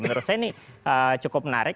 menurut saya ini cukup menarik